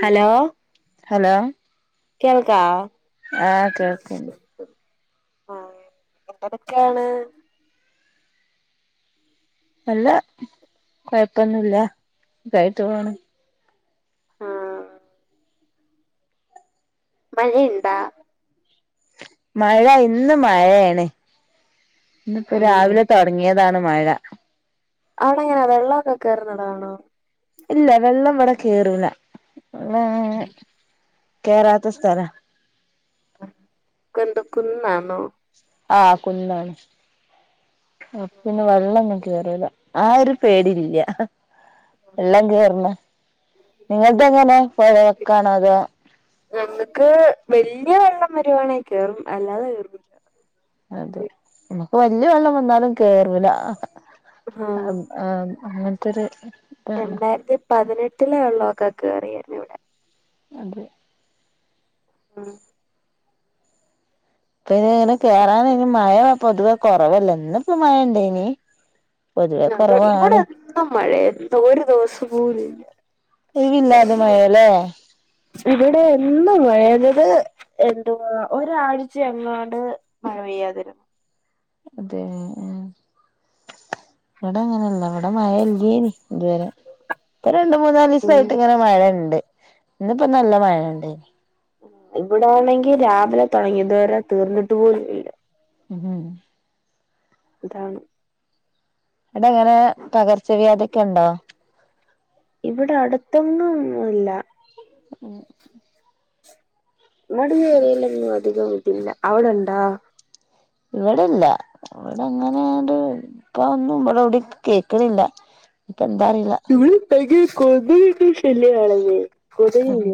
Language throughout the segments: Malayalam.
ഹലോ ഹലോ കേൾക്കാവോ ആ കേൾക്ക്ണ്ട് ആ എന്തട്ക്കേണ് അല്ല കൊഴപ്പൊന്നുല്ല സുഖായിട്ട് പോണ് ആ മഴിണ്ട മഴ ഇന്ന് മഴയാണ് ഇന്ന് പ്പോ ആണല്ലേ രാവിലെ തൊടങ്ങിയ താണ് മഴ അവടെ എങ്ങനാ വെള്ളൊക്കെ കേറുന്നിടാണോ ഇല്ല വെള്ളം ഇവടെ കേറൂല ഉം കേറാത്ത സ്ഥലാ കന്ദ ക്കുന്നാണോ ആ കുന്നാണ് ആ പിന്നെ വെള്ളൊന്നും കേറൂല ആ ഒരു പേടില്ല്യ വെള്ളം കേറന്ന് നിങ്ങൽത് എങ്ങനെ പൊഴ വക്കാണോ അതോ ഞങ്ങക്ക് വല്യ വെള്ളം വരുവാണെ കേറും അല്ലാതെ കേറുല്ല അതെ മ്മക്ക് വല്യ വെള്ളം വന്നാലും കേറൂല ആഹ് അം ആ അങ്ങൻത്തൊര് രണ്ടായിരത്തി പതിനെട്ടിലെ വെള്ളൊക്ക കേറിയാരുന്നു ഇവിടെ അതെ ആ പ്പനിങ്ങനെ കേറാൻ ഇനി മഴ പൊതുവെ കൊറവല്ലേ ഇന്ന്പ്പോ മഴ ഇണ്ടായിനി ഞങ്ങക്ക് ഇവിടെ എന്നും മഴെ എന്ത് ഒരു ദിവസം പോലില്ല ഒഴിവില്ലാതെ മഴല്ലേ ഇവിടെ എന്നും മഴയാന്നെ ത് എന്തുവാ ഒരാഴ്ചെ എങ്ങാണ്ട് മഴ പെയ്യാതിരുന്നു അതേ ആ ഇവട അങ്ങനല്ല ഇവടെ മഴ ഇല്ലേനി ഇതുവരെ ഇപ്പ രണ്ട് ഉം മൂന്നാലീസയിട്ട് ഇങ്ങനെ മഴ ഇണ്ട് ഇന്ന്പ്പോ നല്ല മഴ ഇണ്ടായിനി ഇവിടാണെങ്കി രാവിലെ തുടങ്ങി ഇതുവരെ തീർന്നിട്ട് പോലുല്ല ഹ് ഇതാണ് അടെ എങ്ങനെ പകർച്ചവ്യാധി ഒക്കെ ഉണ്ടോ ഇവിടെ അടുത്തൊന്നും ഒന്നുല്ല ഉം ങ്ങട് വെയിലൊന്നും അധികം ഇതില്ല അവടണ്ടാ ഇവടെല്ല ഇവടെ അങ്ങനെകട് ഇപ്പ ഒന്നും ഇവിടെവിടേം കേക്കണില്ല ഇവടെ ഭയങ്കര കൊതുന്റെ ശല്ല്യാണന്നെ ഉം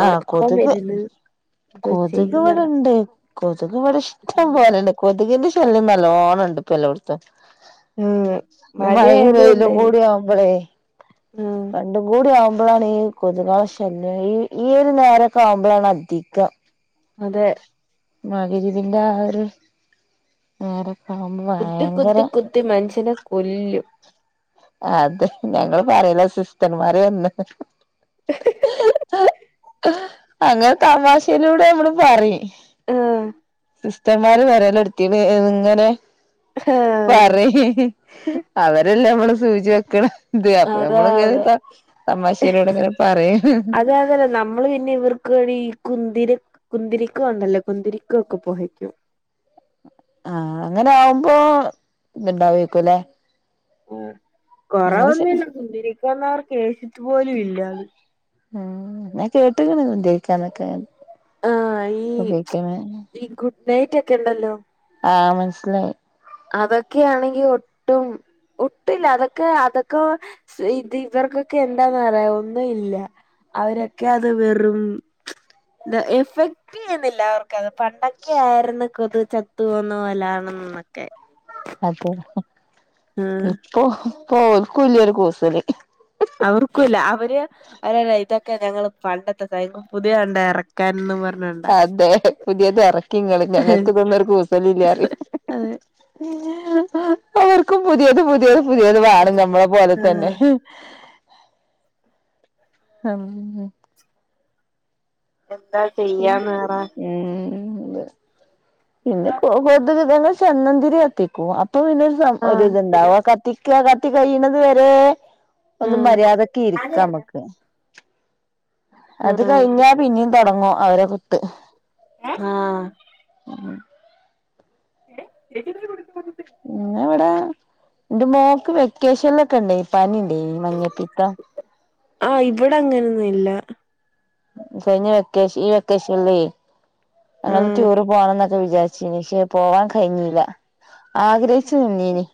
ആഹ് ഒറക്കം കൊതുക് വരുന്ന് എന്തോ കൊതുക് ചെയ്യുന്നറ ഇവിടണ്ട് കൊതുക് ഇവിടെ ഇഷ്ടം പോലുണ്ട് കൊതുകിന്റെ ശല്യം നല്ലോണണ്ട് ഇപ്പൊല്ലോടുത്തും ഉം ഇ മഴയും മഴയായത് വെയിലും കൊണ്ടേ കൂടി ആവുമ്പളേ ഉം രണ്ടും കൂടി ആവു മ്പോഴാണ് ഈ കൊതുകളെ ശല്യം ഈ ഈ ഒരു നേരൊക്കെ ആവുമ്പോളാണ് അധികം അതെ മഗ്‌രിബിന്റെ ആ ഒരു നേരം കുത്തി കുത്തി കുത്തി മനുഷ്യനെ കൊല്ലും അതെ ഞങ്ങൾ പറയലാ സിസ്റ്റന്മാര് വന്ന് അങ്ങനെ തമാശയിലൂടെ നമ്മള് പറിം ആഹ് സിസ്റ്റർമാര് വരല് എടുത്തീണ്ങ്ങനെ ആഹ് പറയ് അവരല്ലേ നമ്മളെ സൂചി വെക്ക്ണ അത് അപ്പൊ അതെ നമ്മൾ ഇങ്ങനെ ത അതെ തമാശയിലൂടെ ഇങ്ങനെ പറയും അതെ അതല്ല നമ്മള് പിന്നെ ഇവർക്ക് വേണ്ടി ഈ കുന്തിരി കുന്തിരിക്ക ഉണ്ടല്ലോ കുന്തിരിക്ക ഒക്കെ പോകയ്ക്കും ആഹ് അങ്ങനെ ആവുമ്പോ ഇണ്ടാവേക്കുല്ലെ കൊറവൊന്നുല്ല കുന്തിരി ക്കൊന്നും അവർ ക്ക് ഏറ്റ്ട്ട് പോലു ഇല്ലാന്ന് ഉം ഞാൻ കേട്ട്ക്ക്ണ് കുന്തിരിക്കാനൊക്കെ ആഹ് ഈ ഈ ഗുഡ് നൈറ്റ് ഒക്കെ ഉണ്ടല്ലോ ആഹ് മനസ്സിലായി അതൊക്കെയാണെങ്കി ഒട്ടും ഒട്ടുല്ല അതൊക്കെ അതൊക്കെ ഇത് ഇവർക്കൊക്കെ എന്താന്ന് അറിയോ ഒന്നു ഇല്ല അവരൊക്കെ അത് വെറും എഫക്ട് ചെയ്യുന്നില്ല അവർ ക്കത് പണ്ടൊക്കെ ആയിരുന്നു കൊതു ചത്ത് പൊന്ന പോലാണ്ന്നൊക്കെ അതെ ഇപ്പൊ ഇപ്പോ ഓൽക്കൂല്ലോരു കൂസല് ക്കെഞങ്ങള് പണ്ടത്തെ [unintelligible] പുതിയ കണ്ട ഇറക്കാനും പ അതെ പുതിയത് ഇറക്കിങ്ങള് ഞങ്ങൾക്ക് ഇതൊന്നൊരു കൂസല് ഇല്ലാ റിം അതെ [unintelligible] അവർക്കും പുതിയത് പുതിയത് പുതിയത് വേണം നമ്മളെ പോലെ തന്നെ ആഹ് ഉം എന്താ ഉം ചെയ്യാന്ന് പറ ഉം പിന്നെ കൊതുക്കള് ഞങ്ങള്ചന്ദനത്തിരി കത്തിക്കും പ്പോപിന്നോരു സം ആഹ് ഒരിത്ണ്ടാവും കത്തിക്ക കത്തി കയ്യ്ണത് വരെ ഒന്ന് ആഹ് മര്യാദക്ക്ഇരിക്ക നമക്ക് അത് കഴിഞ്ഞാ ആഹ് പിന്നി തുടങ്ങും അവരെ കുത്ത് ആ മ് ന്നെ ഇവിടെ ഇന്റെ മോൾക്ക് വെക്കേഷനിലൊക്കെ ഇണ്ടെനി പനി ഈ മഞ്ഞപ്പിത്തം ആഹ് ഇവിടെ അങ്ങനൊന്നും ഇല്ല കഴിഞ്ഞ വെക്കേഷൻ ഈ വെക്കേഷനിലെ ഞങ്ങള് ആഹ് ടൂറ് പോണോന്നൊക്കെ വിചാരിച്ച് ഷേ പോവാൻ കഴിഞ്ഞില്ല ആഗ്രഹിച്ച് നിന്നിനി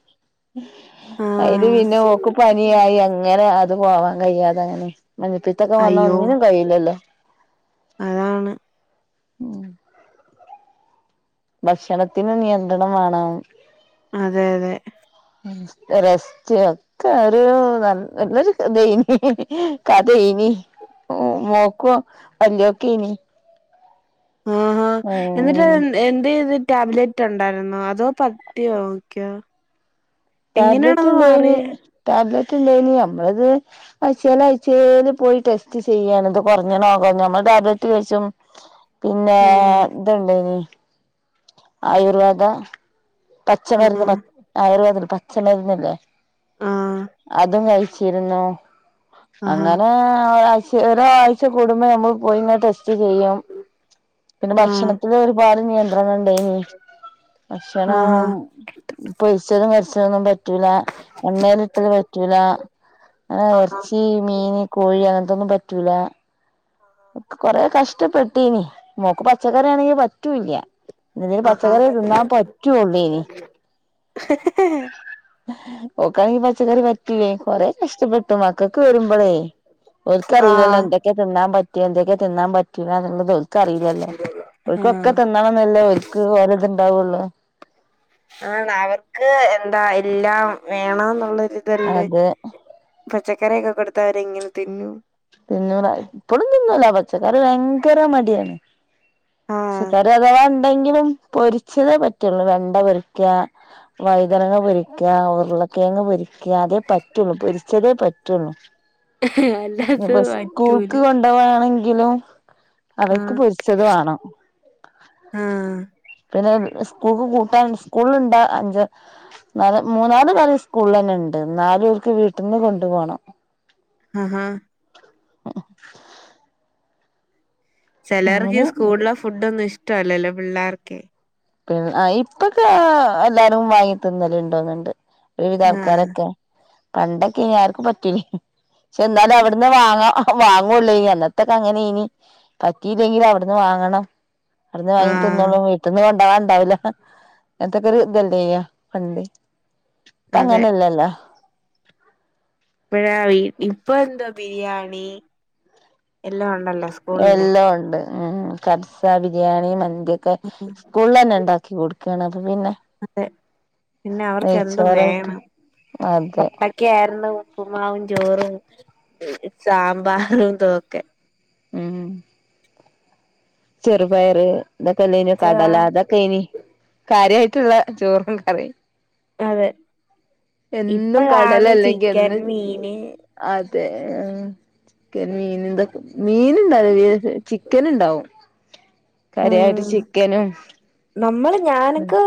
അയില്‌ ആഹ് പിന്നെ ഓക്ക് പനിയായി അങ്ങനെ അത് പോവാൻ കഴിയാതെ അങ്ങനെ മഞ്ഞപിത്തം ഒക്കെ വന്ന അയ്യോ ഒന്നിനും കയില്ലല്ലോ അതാണ് ഉം ഭക്ഷണത്തിന് നിയന്ത്രണം വേണം അതെ അതെ റെസ്റ്റ് ഒക്കെ ഒരു ന നല്ലൊരു ദൈന കഥ ഇനി മോക്കോ അല്ലോക്കെ ഇനി ആഹാ എന്നിട്ട് എന്ത്തി ടാബ്ലെറ്റ് ഉണ്ടായിന്നോ അതോ പട്ടിയ നോക്കയാ ടാബ്ലറ്റ് ഉണ്ടോന് ടാബ്ലറ്റ് ക്ക് ല്ലെന്നു നന്നാലിത് അഴച്ചൽ അയച്ചൽ പോയി ടെസ്റ്റ് ചെയ്യാണ് ഇദ് കുറഞ്ഞ കുറഞ്ഞ നമ്മ ടാബ്‌ലറ്റ് കഴിച്ചും പിന്നെ ഇതുണ്ടന് ആയുർവദ പച്ച മരുന്ന് ആഹ് പ ആയുർവേദ പച്ചമരുന്നില്ലേ ആഹ് അതും കഴിച്ചിരുന്നു ആഹ് ആഹാ അങ്ങനെ ഒരാഴ ഒരാഴ്ച കൂടുമ്പോ നമ്മൾ പോയിങ്ങ ടെസ്റ്റ് റ്റ് ചെയ്യും പിന്നെ ആഹ് ഭക്ഷണത്തി ഒരുപാട് നിയന്ത്രണം ഉണ്ടനി മ് ആഹാ പൊരിച്ചതും കരിച്ചതൊന്നും പറ്റ പറ്റുല എണ്ണൽ ഇട്ടത് പറ്റൂല അങ്ങന ആഹാ ഇറച്ചി മീൻ കോഴി അങ്ങന അതൊന്നും പറ്റൂല കൊറെേ കഷ്ടപ്പെട്ടനി മോക്ക് പച്ചക്കറാണെങ്കി പറ്റൂല്ല ഇതിന് ആഹാ പച്ചക്കറി തിന്നാൻ പറ്റള്ളൂനി ഒക്കെണെങ്കിൽ പച്ചക്കറി പറ്റ റ്റുലെ കൊറെേ കഷ്ടപ്പെട്ടു മക്കൾക്ക് വരുമ്പോളേ ഒക്കറിയില്ലല്ല ആഹ് എന്തൊക്കെ തിന്നാൻ പറ്റ പറ്റഎന്തൊക്കെ തിന്നാൻ പറ്റൂല എന്നുള്ളത് ത് ഒൽക്കറിയില്ലല്ലോ ഒൽക്കൊക്കെ ആഹ് തിന്നണെന്നല്ലേ ഓല്ക്ക് ഓര ഇത്ണ്ടാവുള്ളൂ ആണ് അവർക്ക് എന്താ എല്ലാം വേണം എന്നുള്ളത് ഇതല്ലേ അതെ പച്ചക്കറിയൊക്കെ കൊടുത്ത അവരെങ്ങനെ തിന്നു തിന്നൂല ഇപ്പഴും തിന്നൂല പച്ചക്കാറി ഭയങ്കര മടിയാണ് ആഹ് പച്ചക്കറിഅഥവാ ഉണ്ടെങ്കിലും പൊരിച്ചതേ പറ്റുള്ളൂ വെണ്ട പൊരിക വൈതരങ്ങ പൊരിക്ക ഉരുളക്കേങ്ങ പൊരിക്ക അതേ പറ്റുള്ളു പൊരിച്ചതേ പറ്റുള്ളു അല്ലാതെ ഇപ്പൊ പറ്റൂല സ്കൂൾക്ക് കൊണ്ടോണെങ്ക ങ്കിലും അവർക്ക് ആഹ് പൊരിച്ചതു വാണം ആഹ് പിന്നെ സ്കൂൾക്ക് കൂട്ടാൻ സ്കൂളുണ്ട് അഞ്ച് ന മൂന്നാറ് കറി സ്കൂൾ തന്നെ ഉണ്ട് ണ്ട് നാലലും ഓല്ക് വീട്ടിന്ന് കൊണ്ടു പോണം ആ ഹ [unintelligible] ചിലർക്ക് അങ്ങനെ സ്കൂളില ഫുഡ ഒന്നും ഇഷ്ടല്ലല്ലോ പിള്ളേർക്കെ പി ഇപ്പൊക്കെ എല്ലാരും വാങ്ങി തിന്നല ഇണ്ടോന്നിണ്ട് ഒരുവിധ ആഹ് ആൾക്കാരൊക്കെ പണ്ടൊക്കെ നി ആർക്കും പറ്റൂല പക്ഷെ എന്തായാലും എവിടുന്ന് വാങ്ങോ വാങ്ങുവള്ളേ ഇ അന്നത്തക്കെ അങ്ങനെ ഇനി പറ്റിയില്ലെങ്കിൽ അവിടുന്ന് വാങ്ങണം അവിന്ന് വാങ്ങി ആഹ് തിന്നോള്ളൂ വീട്ടന്ന്ണ്ട വാൻ ണ്ടാവില്ല എന്നത്തെക്കെറി ഇതല്ലേ്യ പണ്ട് ഇപ്പ അതെ അങ്ങനെല്ലല്ലോ പിഴവി ഇപ്പൊ എന്താ ബിരിയാണി എല്ലാം ഉണ്ടല്ലോ സ്കൂളില് എല്ലാം ഉണ്ട് ഉം കബ്സ ബിരിയാണി മന്തിയൊക്കെ സ്കൂളിൽ തന്നെ ഉണ്ടാക്കി കൊടുക്കണ് അപ്പെ പിന്നെ അതെ പിന്നെ അവർക്ക് യെന്തും നെയ്ച്ചോറായിട്ട് വേണം അതെ പണ്ടക്കെ ആയിരുന്നു ഉപ്പ്മാവും ചോറും സാമ്പാറും ഇതുംക്കെ ഉം ചെറുപയറ് ഇതൊക്കെല്ല ന്നി കടല ആഹ് അതൊക്കെ ഇനി കാര്യമായി ട്ടള്ള ചോറും കറി അതെ എന്നും ഇപ്പോഴാണ് കടലല്ലെങ്കി ചിക്കൻ എന്നും മീന് അതെ ആ. ക്കൻ മീൻ തൊക്കെ മീൻണ്ടാവ് ല മീനൊക്കെ, ചിക്കൻ ഇണ്ടാവും. ഉം നമ്മള് ഞാനൊക്ക്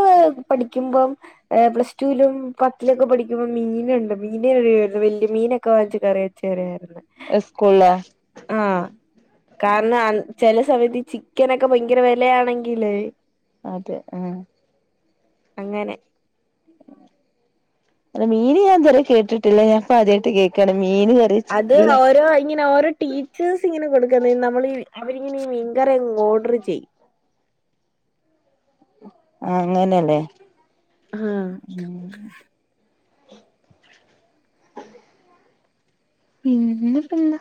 പഠിക്കുമ്പോം എ പ്ലസ് റ്റൂലും പത്തിലൊക്കെ പഠിക്കുമ്പോം മീനുണ്ട് മീനറിയുള്ളു വെല്ലി മീൻ. നൊക്കെ വാച്ച് കറി വെച്ചേരെ ഞാൻ. ഇസ്കൂളോ? കാരണ അ ചെല സമയത്ത് ചിക്കനൊക്കെ ഭയങ്കര വെലയാണെങ്കില് അതെ അ്. അങ്ങനെ. അല്ല മീനിയാൻതരെ കേട്ടിട്ടില്ല, ഞാൻപ്പ ആദ്യായിട്ട് കേക്കാണ്. മീന് കറി അത് വെച്ചിട്ടുള്ള ഓരോ ഇങ്ങനെ ഓരോ ടീച്ചേഴസ് ഇങ്ങനെ കൊടുക്ക ൻ നമ്മൾ അവരിങ്ങനെ ഈ മീൻകറിയങ്ങ് ഓർഡ്ർ ചെയ്യും. ആ അങ്ങനെല്ലേ. ആഹ് പിന്നെ പെന്താ?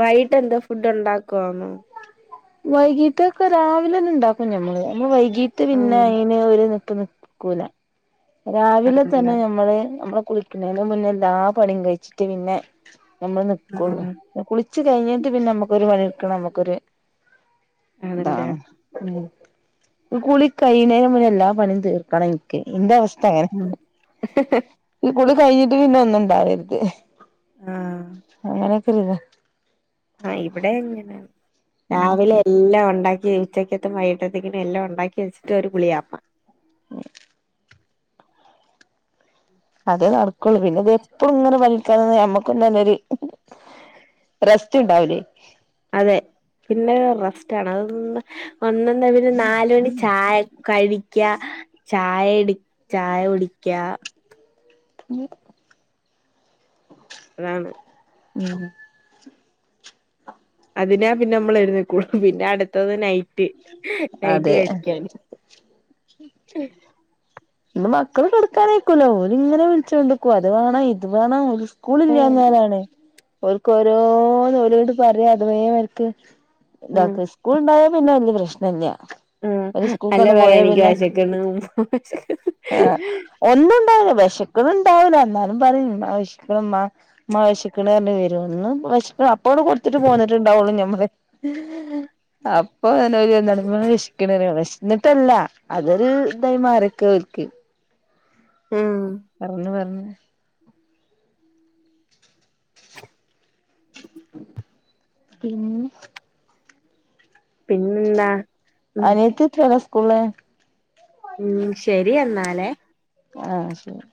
വയീട്ടെന്താ ഫുഡ് ഉണ്ടാക്കുവാന്നോ? വൈകീട്ട് ഒക്കെ രാവിലെന്നെ ഉണ്ടാക്കും ഞമ്മള്. ഞമ്മള് വൈകീട്ട് പിന്നെ ആഹ് അയിന് ഒരു ട്ട് നിക്കൂല, രാവിലെ തന്നെ ആണല്ലേ നമ്മള് നമ്മ കുളിക്കുന്നേൻ്റെ മുന്നേ എല്ലാ പണിം കഴിച്ചിട്ട് പിന്നെ നമ്മള് നിക്കൊള്ളു. ആഹ് കുളി ച്ച് കഴിഞ്ഞിട്ട് പിന്നെ നമ്മുക്കൊരു പണിട്ക്ക്ണെ ആണല്ലേ നമുക്കൊർതാണ്. ഉം ൻ കുളി കയ്യിണേനെ മുന്ന് എല്ലാ പണിം തീർക്കണൻക്ക, ഇൻ്റെ അവസ് ഉം കുളി കഴിഞ്ഞിട്ട് പിന്നെ ഒന്നുണ്ടാവർത് ആഹ് അങ്ങനൊക്കെരിതാ. ആ ഇവിടെ എങ്ങനെ, രാവിലെ എല്ലാ ഉണ്ടാ ജ് ഉച്ചക്കത്തെ മയക്ക്ത്ത്ക്ക്ന് എല്ലാ ഉണ്ടാക്കി വെച്ചിട്ട് ഒരു കുളിയാമ്മ. അ് അതേ നടക്കുള്ളൂ പിന്നെ ഇതെപ്പളും ഇങ്ങനെ പണിട്ക്കാനിന്നത് നമ്മക്കും തന്നൊരു റെസ്റ്റ് ഇണ്ടാവൂലേ അതെ പിന്നെ റസ്‌റ്റാണ്, അതൊന്ന് ഒന്നൊന്നവര് നാലൊണി ചായ കഴിക്ക, ചായെട് ചായുടിക്ക. ന് അതാണ്. ഉം അതിനാ പിന്നമ്മൾ എഴുന്നേക്കു, പിന്നെ അടുത്തത് നൈറ്റ് റ്റ് നൈറ്റ് അതെ കഴിക്കാനും. ഇന്ന് മക്കള് കെടുക്കാനായിക്കൂല്ല, ഓലിങ്ങനെ വിളിച്ചോണ്ട്ക്കും, അത് വാണം ഇത് വാണം, ഓല്സ് ആഹ് സ്കൂളില്ലാഞ്ഞാലാണ്, ഓല്ക്ക് ഓരോ ന്നോലോണ്ട് പറയാ അത് മേമര്ക്ക് ആഹ് താക്ക സ്കൂൾ ഉണ്ടായ പിന്നെ വല്ല്യ പ്രശ്നല്ല. ഉം ഓല് അല്ല പറയാ നിക്ക് വശക്കെണ്ട് ആ ഒന്നുണ്ടാവൂല വെശക്ക്ണ് ട്ടാവൂല ന്നാലും പറിം മ്മാ വെശ്ക്ക്ണ് മ്മാ ഇമ്മ വെശ്ക്ക്ണർഞ്ഞ് വെരും ന്നും വെശ്പ്പ്‌ അപ്പോണ്ട് കൊട് ട്ട് പോന്നിട്ട്ണ്ടാവുള്ളു ഞമ്മള് അപ്പോ ന്നോല്ന്നാണ്ട് ഇമ്മാ വെശ്ക്ണറി, വെശ്ന്നിട്ടല്ല അതൊരു ഇതായി മാറിക്കോൽക്ക്. ഉം പറഞ്ഞു പർഞ്ഞ് പിന്നെ? പിന്നെന്താ? ഉം അനിയത്തിത്രേല സ്‌കൂള്? ഉം ശരി എന്നാലേ. ആ ശരി.